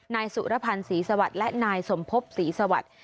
นายสุรพันธ์ศรีสวัสดิ์และนายสมภพศรีสวัสดิ์